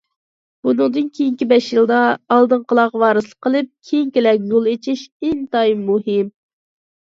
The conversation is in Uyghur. بۇنىڭدىن كېيىنكى بەش يىلدا ئالدىنقىلارغا ۋارىسلىق قىلىپ، كېيىنكىلەرگە يول ئېچىش ئىنتايىن مۇھىم.